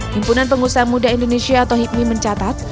himpunan pengusaha muda indonesia atau hipmi mencatat